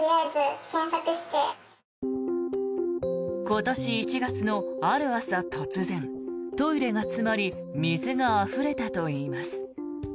今年１月のある朝、突然トイレが詰まり水があふれたといいます。